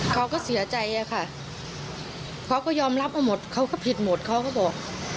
เขาก็เสียใจอะค่ะเขาก็ยอมรับเอาหมดเขาก็ผิดหมดเขาก็บอก